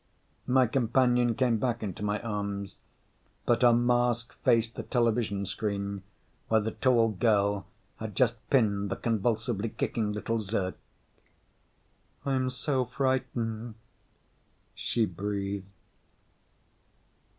My companion came back into my arms, but her mask faced the television screen, where the tall girl had just pinned the convulsively kicking Little Zirk. "I'm so frightened," she breathed.